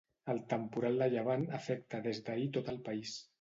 El temporal de llevant afecta des d’ahir tot el país.